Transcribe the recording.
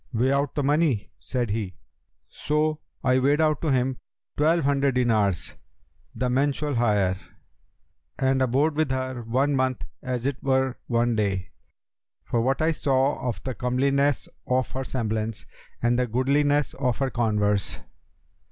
'Weigh out the money,' said he. So I weighed out to him twelve hundred dinars, the mensual hire, and abode with her one month as it were one day, for what I saw of the comeliness of her semblance and the goodliness of her converse.